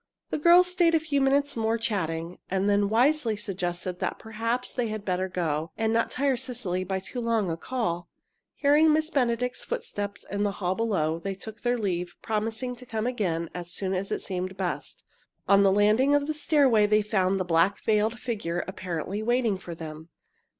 The girls stayed a few moments more, chatting. Then they wisely suggested that perhaps they had better go, and not tire Cecily by too long a call. Hearing Miss Benedict's footstep in the hall below, they took their leave, promising to come again, as soon as it seemed best. On the landing of the stairway they found the black veiled figure apparently waiting for them.